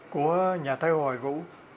của nhà thơ hoài vũ